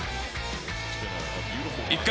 １回。